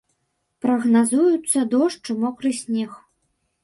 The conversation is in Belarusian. Прагназуюцца дождж і мокры снег.